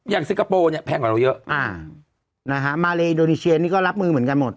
ซิงคโปร์เนี่ยแพงกว่าเราเยอะอ่านะฮะมาเลโดนีเชียนี่ก็รับมือเหมือนกันหมด